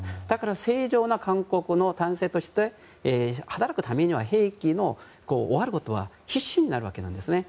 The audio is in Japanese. だから正常な韓国の男性として働くためには兵役の終わることは必至になるわけです。